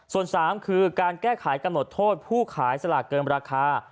ส่วน๓คือการแก้ไขกำหนดโทษผู้ขายสลากเกินราคา